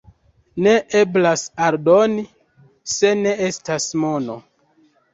Ne eblas aldoni, se ne estas mono.